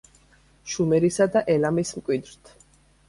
შუმერისა და ელამის მკვიდრთ.